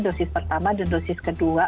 dosis pertama dan dosis kedua